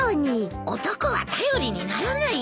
男は頼りにならないよ。